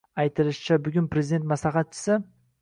Aytilishicha, bugun Prezident maslahatchisi A